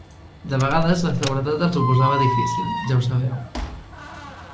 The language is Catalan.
De vegades, la seguretat els ho posava difícil, ja ho sabeu.